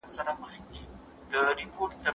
کرکه زموږ د جینونو یوه برخه ده.